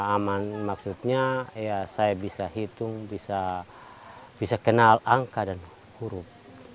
aman maksudnya ya saya bisa hitung bisa kenal angka dan huruf